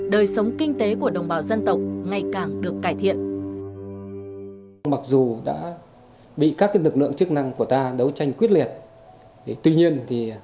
đời sống kinh tế của đồng bào dân tộc ngày càng được cải thiện